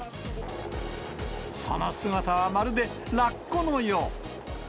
その姿はまるでラッコのよう。